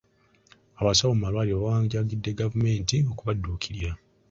Abasawo mu malwaliro bawanjagidde gavumenti okubadduukirira.